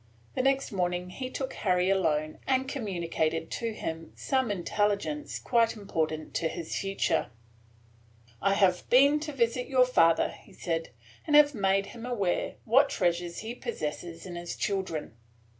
The next morning he took Harry alone and communicated to him some intelligence quite important to his future. "I have been to visit your father," he said, "and have made him aware what treasures he possesses in his children."